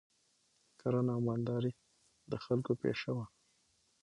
کرنه او مالداري د خلکو پیشه وه